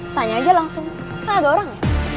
tanya aja langsung ada orang